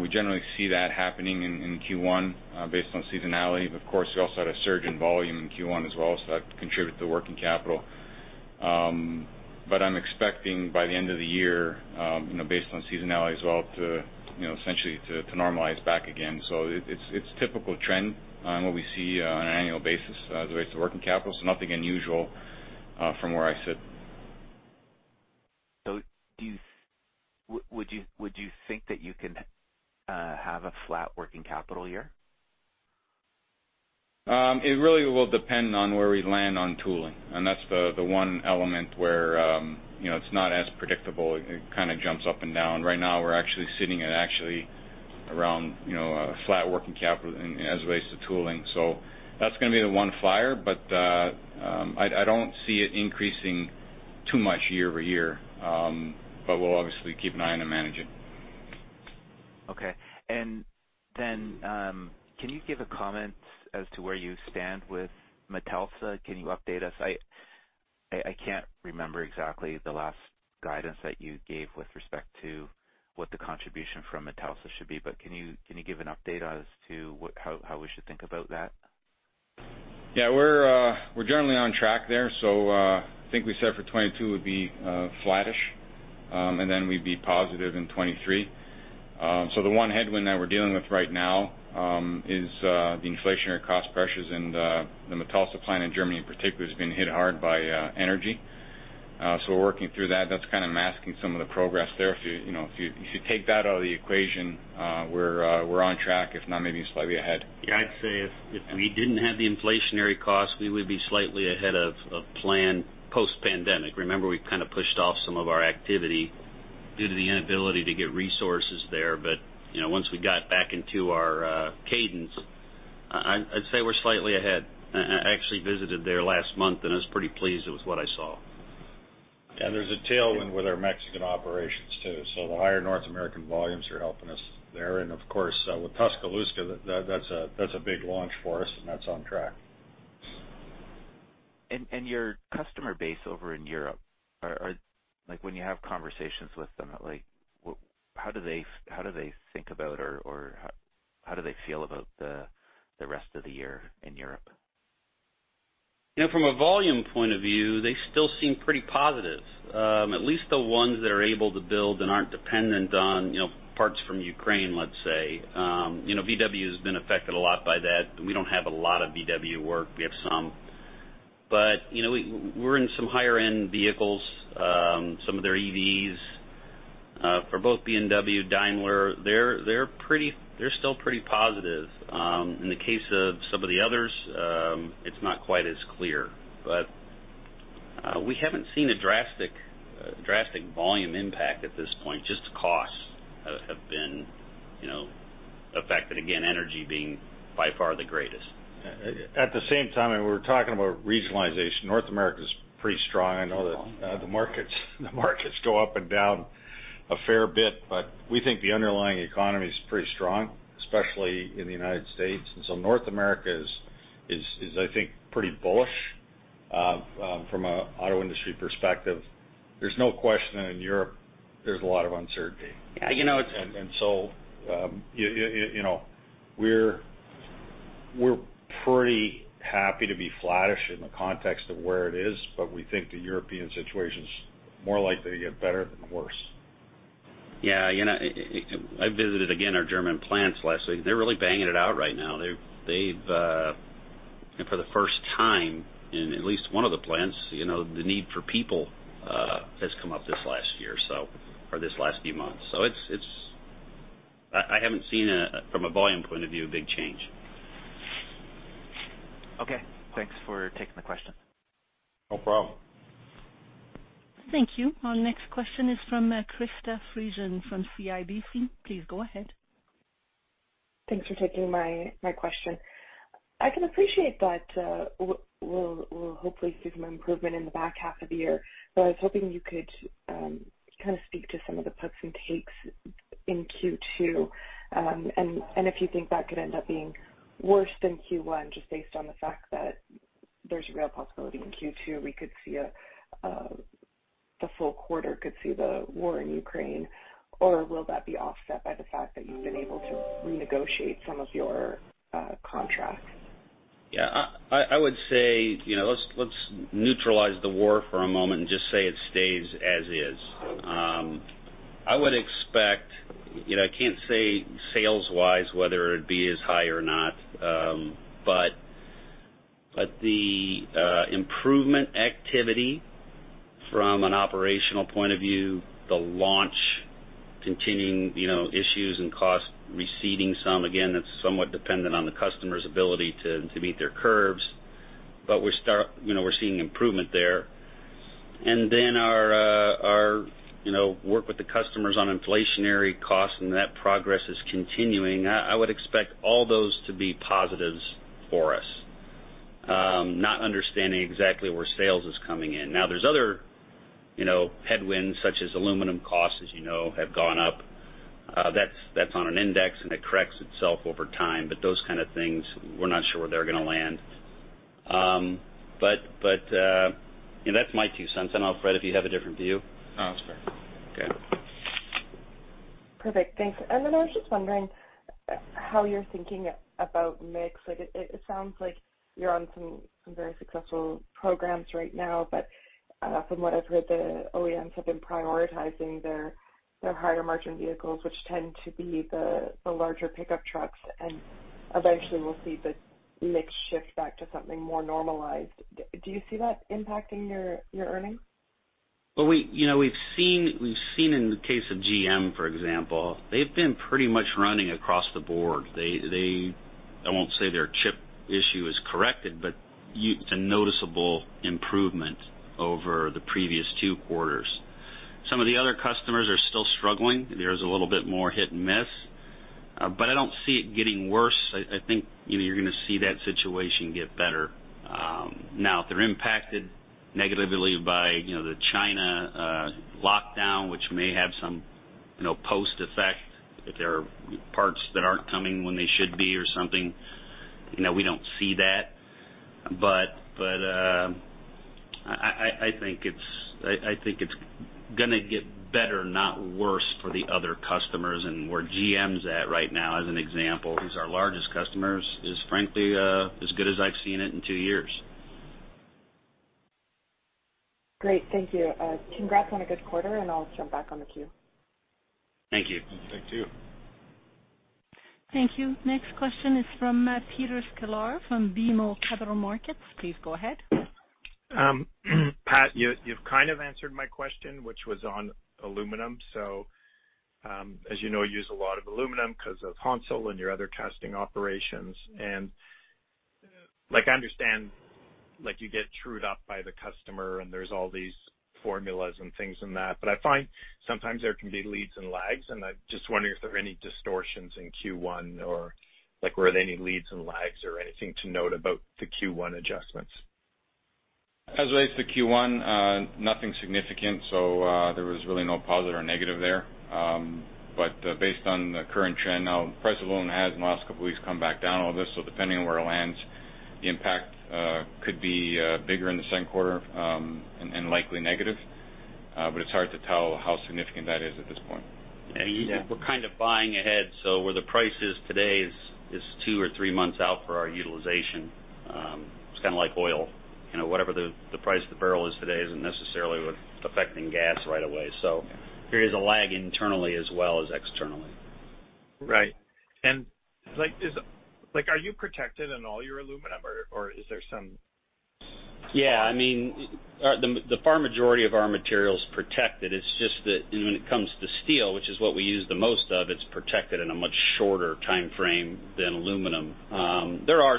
We generally see that happening in Q1, based on seasonality. Of course, we also had a surge in volume in Q1 as well, so that contributed to working capital. I'm expecting by the end of the year, you know, based on seasonality as well, you know, to essentially normalize back again. It's a typical trend on what we see on an annual basis, as it relates to working capital, so nothing unusual, from where I sit. Would you think that you can have a flat working capital year? It really will depend on where we land on tooling, and that's the one factor where, you know, it's not as predictable. It kind of jumps up and down. Right now we're actually sitting at around, you know, a flat working capital in as it relates to tooling. So that's gonna be the one factor, but I don't see it increasing too much year-over-year. We'll obviously keep an eye on it and manage it. Okay. Can you give a comment as to where you stand with Metalsa? Can you update us? I can't remember exactly the last guidance that you gave with respect to what the contribution from Metalsa should be. Can you give an update as to how we should think about that? Yeah. We're generally on track there. I think we said for 2022 would be flattish, and then we'd be positive in 2023. The one headwind that we're dealing with right now is the inflationary cost pressures and the Metalsa plant in Germany in particular has been hit hard by energy. We're working through that. That's kind of masking some of the progress there. If you know, if you take that out of the equation, we're on track, if not maybe slightly ahead. Yeah. I'd say if we didn't have the inflationary cost, we would be slightly ahead of plan post-pandemic. Remember, we kind of pushed off some of our activity due to the inability to get resources there. You know, once we got back into our cadence, I'd say we're slightly ahead. I actually visited there last month, and I was pretty pleased with what I saw. There's a tailwind with our Mexican operations, too. The higher North American volumes are helping us there. Of course, with Tuscaloosa, that's a big launch for us, and that's on track. Your customer base over in Europe. Like, when you have conversations with them, like, how do they think about or how do they feel about the rest of the year in Europe? You know, from a volume point of view, they still seem pretty positive. At least the ones that are able to build and aren't dependent on, you know, parts from Ukraine, let's say. You know, VW has been affected a lot by that. We don't have a lot of VW work. We have some. You know, we're in some higher end vehicles, some of their EVs. For both BMW, Daimler, they're still pretty positive. In the case of some of the others, it's not quite as clear. We haven't seen a drastic volume impact at this point, just costs have been, you know, affected. Again, energy being by far the greatest. At the same time, we're talking about regionalization, North America's pretty strong. I know the markets go up and down a fair bit, but we think the underlying economy is pretty strong, especially in the United States. North America is I think pretty bullish from a auto industry perspective. There's no question in Europe. There's a lot of uncertainty. Yeah, you know. You know, we're pretty happy to be flattish in the context of where it is, but we think the European situation's more likely to get better than worse. Yeah. You know, I visited again our German plants last week. They're really banging it out right now. For the first time in at least one of the plants, you know, the need for people has come up this last year, or this last few months. I haven't seen, from a volume point of view, a big change. Okay. Thanks for taking the question. No problem. Thank you. Our next question is from Krista Friesen from CIBC. Please go ahead. Thanks for taking my question. I can appreciate that, we'll hopefully see some improvement in the back half of the year, but I was hoping you could kind of speak to some of the puts and takes in Q2. If you think that could end up being worse than Q1 just based on the fact that there's a real possibility in Q2 we could see the full quarter could see the war in Ukraine, or will that be offset by the fact that you've been able to renegotiate some of your contracts? Yeah. I would say, you know, let's neutralize the war for a moment and just say it stays as is. I would expect, you know, I can't say sales wise whether it'd be as high or not, but the improvement activity from an operational point of view, the launch continuing, you know, issues and costs receding some, again, that's somewhat dependent on the customer's ability to meet their curves. We're seeing improvement there. Our work with the customers on inflationary costs and that progress is continuing. I would expect all those to be positives for us, not understanding exactly where sales is coming in. Now there's other, you know, headwinds such as aluminum costs, as you know, have gone up. That's on an index and it corrects itself over time. Those kind of things, we're not sure where they're gonna land. You know, that's my two cents. I don't know, Fred, if you have a different view. No, that's fair. Okay. Perfect. Thanks. I was just wondering how you're thinking about mix. Like, it sounds like you're on some very successful programs right now. But from what I've heard, the OEMs have been prioritizing their higher margin vehicles, which tend to be the larger pickup trucks, and eventually we'll see the mix shift back to something more normalized. Do you see that impacting your earnings? You know, we've seen in the case of GM for example, they've been pretty much running across the board. I won't say their chip issue is corrected, but it's a noticeable improvement over the previous two quarters. Some of the other customers are still struggling. There's a little bit more hit and miss. I don't see it getting worse. I think, you know, you're gonna see that situation get better. Now they're impacted negatively by, you know, the China lockdown, which may have some, you know, post effect if there are parts that aren't coming when they should be or something. You know, we don't see that. I think it's gonna get better, not worse for the other customers and where GM's at right now as an example, who's our largest customers, is frankly as good as I've seen it in two years. Great. Thank you. Congrats on a good quarter, and I'll jump back on the queue. Thank you. Thank you. Thank you. Next question is from Peter Sklar from BMO Capital Markets. Please go ahead. Pat, you've kind of answered my question, which was on aluminum. As you know, you use a lot of aluminum 'cause of Honsel and your other casting operations. Like, I understand like you get trued up by the customer and there's all these formulas and things in that. I find sometimes there can be leads and lags, and I'm just wondering if there are any distortions in Q1 or like were there any leads and lags or anything to note about the Q1 adjustments? As it relates to Q1, nothing significant. There was really no positive or negative there. Based on the current trend now, price of aluminum has in the last couple weeks come back down a little bit. Depending on where it lands, the impact could be bigger in the second quarter, and likely negative. It's hard to tell how significant that is at this point. Yeah, we're kind of buying ahead, so where the price is today is two or three months out for our utilization. It's kinda like oil. You know, whatever the price of the barrel is today isn't necessarily what's affecting gas right away. There is a lag internally as well as externally. Right. Like, are you protected on all your aluminum or is there some? Yeah, I mean, the far majority of our material is protected. It's just that, you know, when it comes to steel, which is what we use the most of, it's protected in a much shorter timeframe than aluminum. There are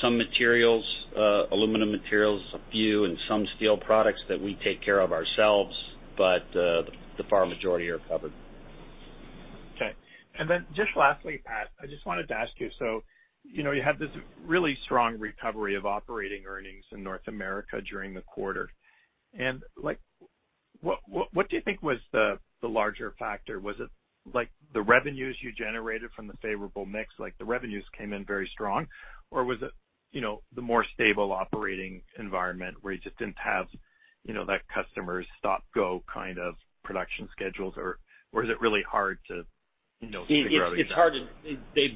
some materials, aluminum materials, a few and some steel products that we take care of ourselves, but the far majority are covered. Okay. Just lastly, Pat, I just wanted to ask you, so, you know, you have this really strong recovery of operating earnings in North America during the quarter. Like, what do you think was the larger factor? Was it, like, the revenues you generated from the favorable mix, like the revenues came in very strong? Or was it, you know, the more stable operating environment where you just didn't have, you know, that customer's stop-go kind of production schedules, or was it really hard to, you know, figure out? It's hard to. They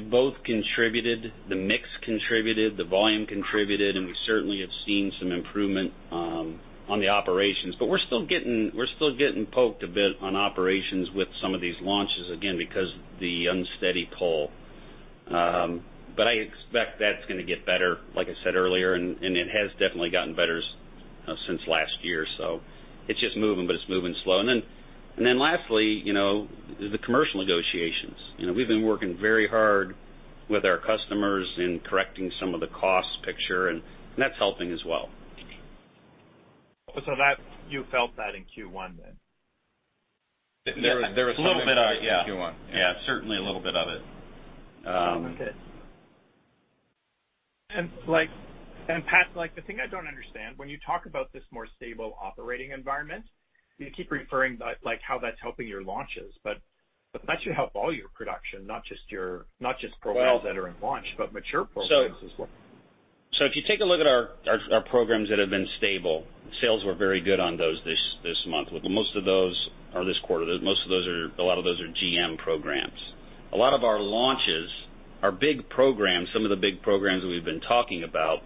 both contributed. The mix contributed, the volume contributed, and we certainly have seen some improvement on the operations. We're still getting poked a bit on operations with some of these launches, again, because the unsteady pull. I expect that's gonna get better, like I said earlier, and it has definitely gotten better since last year. It's just moving, but it's moving slow. Lastly, you know, the commercial negotiations. You know, we've been working very hard with our customers in correcting some of the cost picture, and that's helping as well. You felt that in Q1 then? Yeah. Certainly a little bit of it. Pat, like, the thing I don't understand, when you talk about this more stable operating environment, you keep referring that, like, how that's helping your launches. That should help all your production, not just programs that are in launch, but mature programs as well. If you take a look at our programs that have been stable, sales were very good on those this month. With most of those or this quarter, most of those are a lot of those are GM programs. A lot of our launches are big programs, some of the big programs we've been talking about,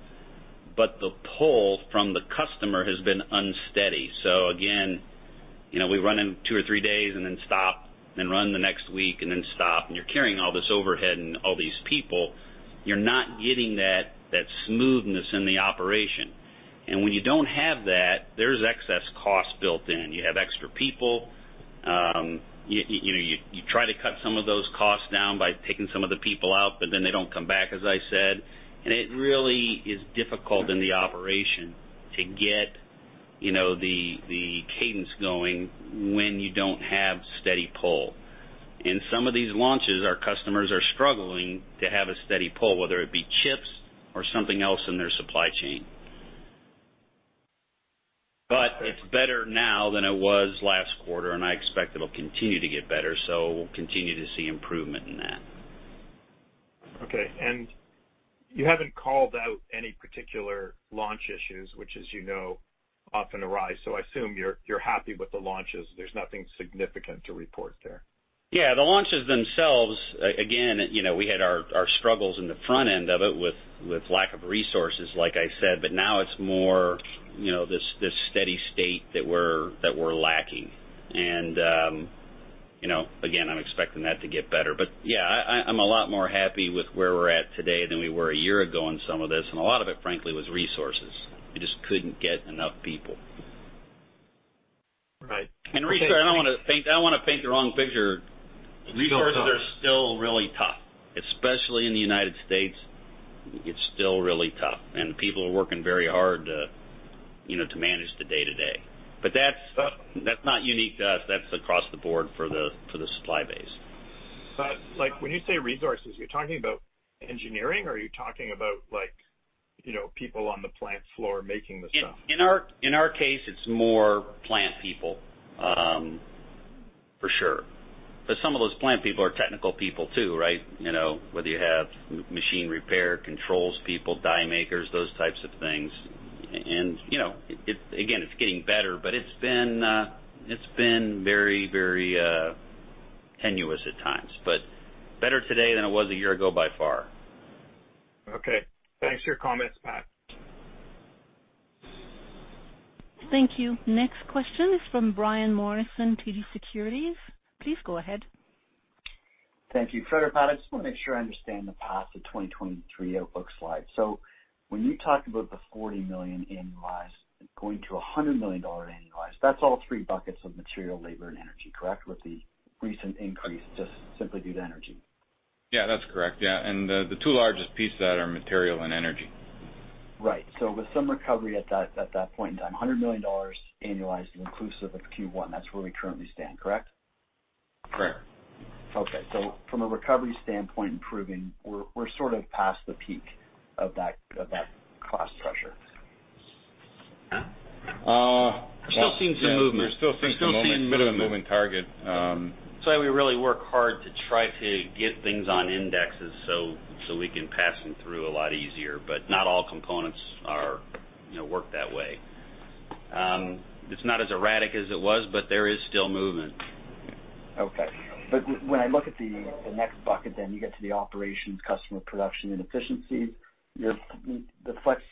but the pull from the customer has been unsteady. Again, you know, we run in two or three days and then stop, then run the next week and then stop, and you're carrying all this overhead and all these people, you're not getting that smoothness in the operation. When you don't have that, there's excess cost built in. You have extra people. You know, you try to cut some of those costs down by taking some of the people out, but then they don't come back, as I said. It really is difficult in the operation to get, you know, the cadence going when you don't have steady pull. In some of these launches, our customers are struggling to have a steady pull, whether it be chips or something else in their supply chain. It's better now than it was last quarter, and I expect it'll continue to get better, so we'll continue to see improvement in that. Okay. You haven't called out any particular launch issues, which as you know, often arise, so I assume you're happy with the launches. There's nothing significant to report there. Yeah. The launches themselves, again, you know, we had our struggles in the front end of it with lack of resources, like I said, but now it's more, you know, this steady state that we're lacking. You know, again, I'm expecting that to get better. Yeah, I'm a lot more happy with where we're at today than we were a year ago on some of this. A lot of it, frankly, was resources. We just couldn't get enough people. Right. Peter Sklar, I don't wanna paint the wrong picture. Resources are still really tough, especially in the United States. It's still really tough. People are working very hard to, you know, to manage the day-to-day. That's not unique to us. That's across the board for the supply base. Like, when you say resources, are you talking about engineering or are you talking about like, you know, people on the plant floor making the stuff? In our case, it's more plant people, for sure. But some of those plant people are technical people too, right? You know, whether you have machine repair, controls people, die makers, those types of things. You know, again, it's getting better, but it's been very tenuous at times, but better today than it was a year ago by far. Okay. Thanks for your comments, Pat. Thank you. Next question is from Brian Morrison, TD Securities. Please go ahead. Thank you. Fred or Pat, I just wanna make sure I understand the path to 2023 outlook slide. When you talked about the 40 million annualized going to a 100 million dollar annualized, that's all three buckets of material, labor, and energy, correct? With the recent increase just simply due to energy. Yeah, that's correct. Yeah. The two largest pieces of that are material and energy. Right. With some recovery at that point in time, $100 million annualized inclusive of Q1. That's where we currently stand, correct? Correct. From a recovery standpoint improving, we're sort of past the peak of that cost pressure. There still seems to be movement. Bit of a moving target. That's why we really work hard to try to get things on indexes so we can pass them through a lot easier. But not all components are, you know, work that way. It's not as erratic as it was, but there is still movement. Okay. When I look at the next bucket, then you get to the operations customer production and efficiency, the flex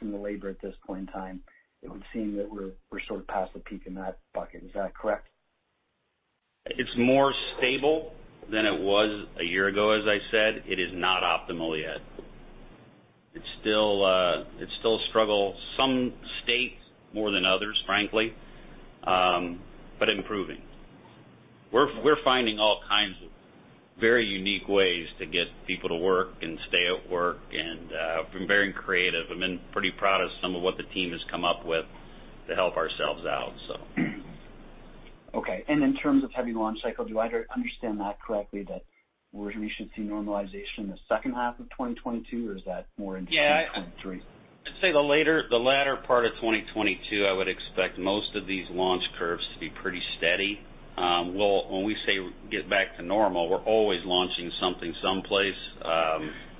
in the labor at this point in time, it would seem that we're sort of past the peak in that bucket. Is that correct? It's more stable than it was a year ago, as I said. It is not optimal yet. It's still a struggle. Some states more than others, frankly, but improving. We're finding all kinds of very unique ways to get people to work and stay at work and been very creative. I've been pretty proud of some of what the team has come up with to help ourselves out, so. Okay. In terms of heavy launch cycle, do I understand that correctly that we should see normalization in the second half of 2022? Or is that more into 2023? Yeah, I'd say the latter part of 2022, I would expect most of these launch curves to be pretty steady. When we say get back to normal, we're always launching something someplace.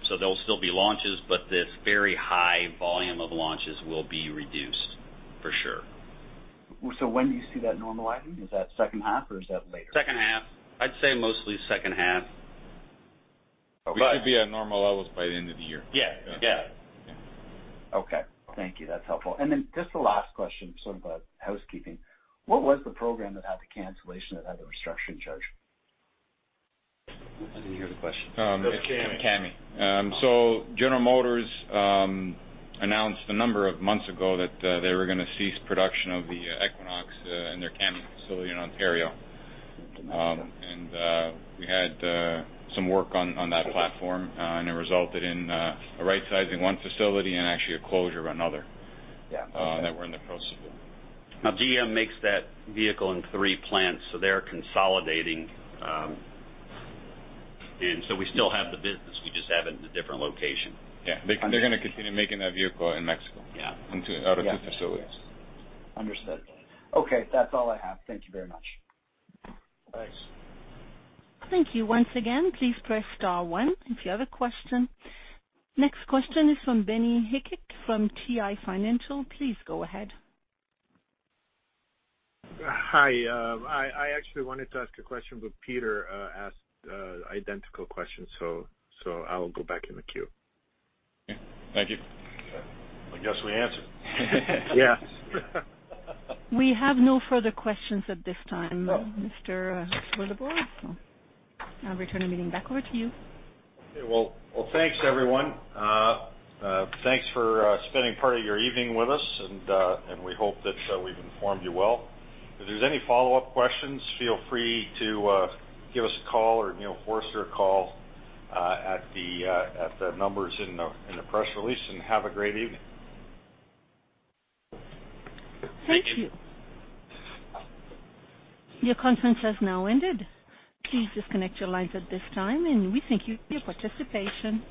There'll still be launches, but this very high volume of launches will be reduced for sure. When do you see that normalizing? Is that second half or is that later? Second half. I'd say mostly second half. We could be at normal levels by the end of the year. Yeah. Yeah. Okay. Thank you. That's helpful. Just the last question, sort of a housekeeping. What was the program that had the cancellation that had the restructuring charge? I didn't hear the question. It was CAMI. General Motors announced a number of months ago that they were gonna cease production of the Equinox in their CAMI facility in Ontario. We had some work on that platform, and it resulted in a right-sizing one facility and actually a closure of another that we're in the process of. Now GM makes that vehicle in three plants, so they're consolidating. We still have the business, we just have it in a different location. Yeah. They're gonna continue making that vehicle in Mexico. Yeah. Out of two facilities. Understood. Okay, that's all I have. Thank you very much. Thanks. Thank you once again. Please press star one if you have a question. Next question is from Benyamin Heceg from IA Financial. Please go ahead. Hi. I actually wanted to ask a question, but Peter asked identical question, so I'll go back in the queue. Thank you. I guess we answered. Yeah. We have no further questions at this time, Mr. Wildeboer. I'll return the meeting back over to you. Okay. Well, thanks, everyone. Thanks for spending part of your evening with us, and we hope that we've informed you well. If there's any follow-up questions, feel free to give us a call or Neil Forster a call, at the numbers in the press release, and have a great evening. Thank you. Your conference has now ended. Please disconnect your lines at this time, and we thank you for your participation.